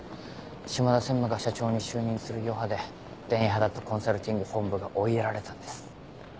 島田専務が社長に就任する余波で伝弥派だったコンサルティング本部が追いやられたんです。